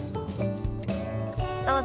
どうぞ。